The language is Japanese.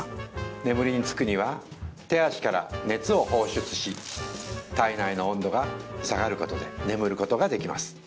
眠りにつくには手足から熱を放出し体内の温度が下がることで眠ることができます